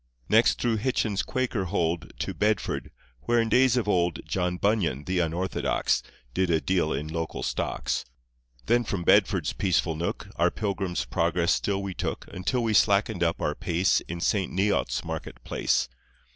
Next through Hitchin's Quaker hold To Bedford, where in days of old John Bunyan, the unorthodox, Did a deal in local stocks. Then from Bedford's peaceful nook Our pilgrim's progress still we took Until we slackened up our pace In Saint Neots' market place.